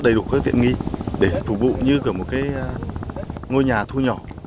nó đầy đủ các tiện nghi để phục vụ như một cái ngôi nhà thu nhỏ